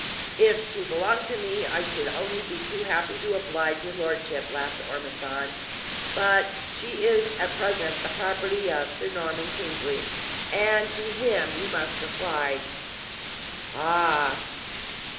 "If she belonged to me I should only be too happy to oblige your lordship," laughed Ormiston; "but she is at present the property of Sir Norman Kingsley, and to him you must apply." "Ah!